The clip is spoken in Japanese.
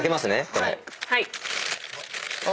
これ。